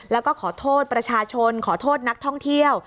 แล้วก็ขอโทษประชาชนขอโทษนักท่องเที่ยว